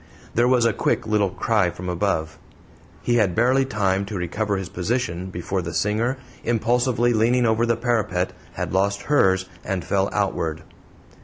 There was a quick little cry from above. He had barely time to recover his position before the singer, impulsively leaning over the parapet, had lost hers, and fell outward.